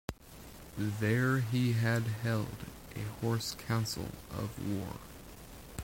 There he had held a hoarse council of war.